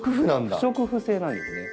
不織布製なんですね。